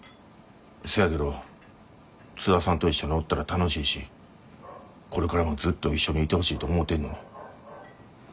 せやけど津田さんと一緒におったら楽しいしこれからもずっと一緒にいてほしいと思うてんのに。